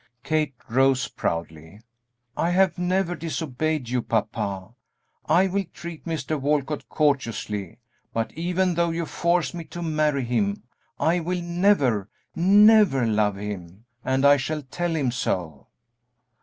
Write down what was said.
Kate rose proudly. "I have never disobeyed you, papa; I will treat Mr. Walcott courteously; but even though you force me to marry him I will never, never love him, and I shall tell him so."